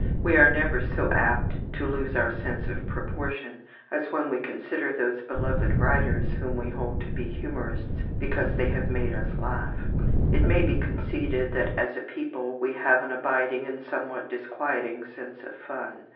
We are never so apt to lose our sense of proportion as when we consider those beloved writers whom we hold to be humourists because they have made us laugh. It may be conceded that, as a people, we have an abiding and somewhat disquieting sense of fun.